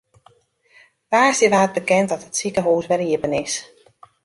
Woansdei waard bekend dat it sikehûs wer iepen is.